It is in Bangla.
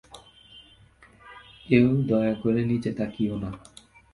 কেউ দয়া করে নিচে তাকিও না।